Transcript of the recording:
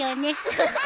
フフフ。